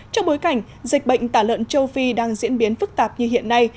trong bối cảnh dịch bệnh tả lợn châu phi đang diễn biến phức tạp như hiện nay